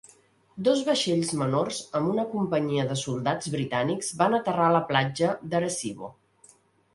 Dos vaixells menors amb una companyia de soldats britànics van aterrar a la platja d'Arecibo.